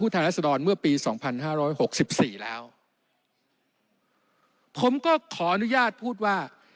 รัศดรเมื่อปีสองพันห้าร้อยหกสิบสี่แล้วผมก็ขออนุญาตพูดว่า